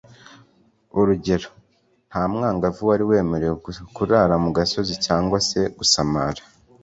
urugero, nta mwangavu wari wemerewe kurara mu gasozi cyangwa se gusamara